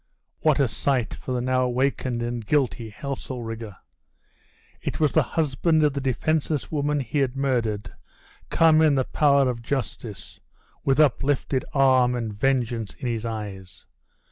What a sight for the now awakened and guilty Heselrigge! It was the husband of the defenseless woman he had murdered come in the power of justice, with uplifted arm and vengeance in his eyes?